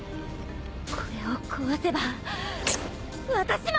これを壊せば私も！